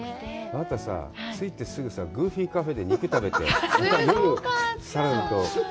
あなたさぁ、着いてすぐ、グーフィーカフェで肉食べて、夜、サラダと。